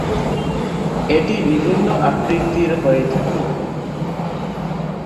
এটি বিভিন্ন আকৃতির হয়ে থাকে।